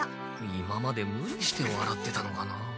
今までムリしてわらってたのかなあ？